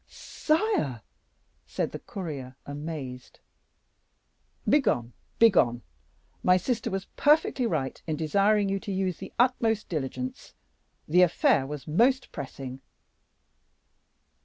"Sire!" said the courier, amazed. "Begone, begone; my sister was perfectly right in desiring you to use the utmost diligence; the affair was most pressing."